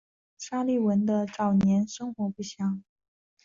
沙利文的早年生活不详。